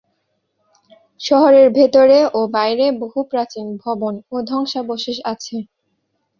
শহরের ভেতরে ও বাইরে বহু প্রাচীন ভবন ও ধ্বংসাবশেষ আছে।